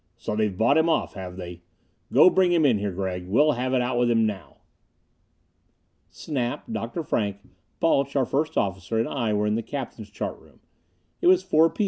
"So they've bought him off, have they? Go bring him in here, Gregg. We'll have it out with him now." Snap, Dr. Frank, Balch, our first officer, and I were in the captain's chart room. It was 4 P.